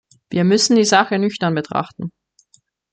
Wir müssen die Sache nüchtern betrachten.